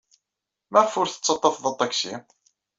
Maɣef ur tettaḍḍafeḍ aṭaksi?